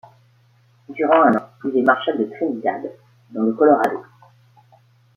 Durant un an, il est marshall de Trinidad dans le Colorado.